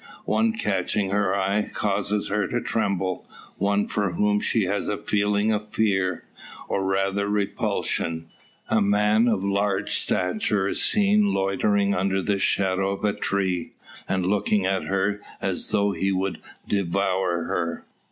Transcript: One catching her eye, causes her to tremble; one for whom she has a feeling of fear, or rather repulsion. A man of large stature is seen loitering under the shadow of a tree, and looking at her as though he would devour her.